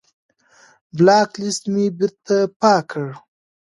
بلاک لست مې بېرته پاک کړ.